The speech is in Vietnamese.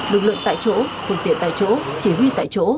đang tiện tại chỗ chí duy tại chỗ